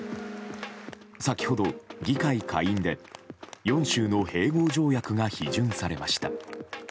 先程、議会下院で４州の併合条約が批准されました。